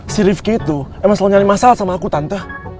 si rifki tuh emang selalu nyariin masalah sama aku tante